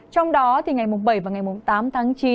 trong đó thì ngày bảy và ngày tám tháng chín